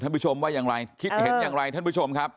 ผู้ชมว่าอย่างไรคิดเห็นอย่างไรท่านผู้ชมครับ